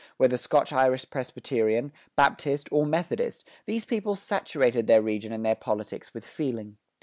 Whether Scotch Irish Presbyterian, Baptist, or Methodist, these people saturated their religion and their politics with feeling.